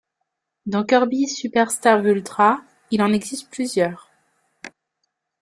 Dans Kirby Super Star Ultra, il en existe plusieurs.